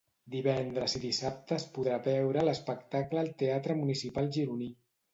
Divendres i dissabte es podrà veure l'espectacle al Teatre Municipal gironí.